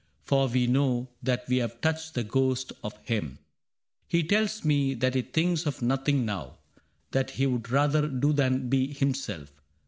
For we know that we have touched the ghost of him. He tells me that he thinks of nothing now That he would rather do than be himself.